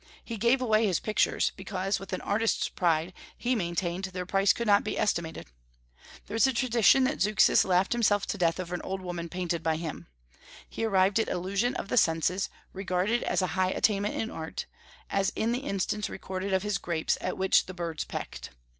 He gave away his pictures, because, with an artist's pride, he maintained that their price could not be estimated. There is a tradition that Zeuxis laughed himself to death over an old woman painted by him. He arrived at illusion of the senses, regarded as a high attainment in art, as in the instance recorded of his grapes, at which the birds pecked.